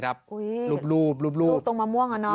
อุ๊ยรูปรูปตรงมะม่วงเหรอเนาะ